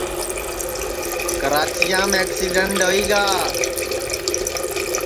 کراچیام اکسیڈن ہوئی گا